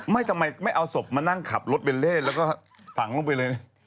ทำไมไม่เอาศพมานั่งขับรถเบลเล่แล้วก็ฝังลงไปเลย